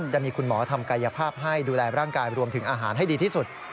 จะมีคุณหมอทำกายภาพให้ดูแลร่างกายรวมถึงอาหารให้ดีที่สุด